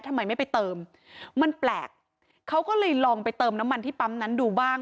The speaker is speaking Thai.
ทำไมไม่ไปเติมมันแปลกเขาก็เลยลองไปเติมน้ำมันที่ปั๊มนั้นดูบ้าง